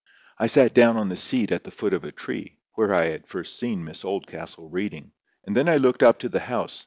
I sat down on the seat at the foot of a tree, where I had first seen Miss Oldcastle reading. And then I looked up to the house.